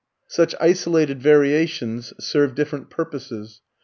Such isolated variations serve different purposes.